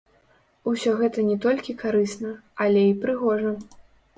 Усё гэта не толькі карысна, але й прыгожа.